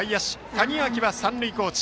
谷脇は三塁コーチ。